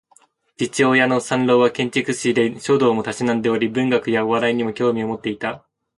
父親の三郎は建築士で、書道も嗜んでおり文学やお笑いにも興味を持っていた